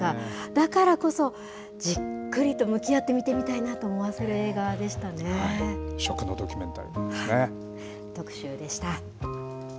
だからこそじっくりと向き合って見てみたいなと思わせる映画でし異色のドキュメンタリーです特集でした。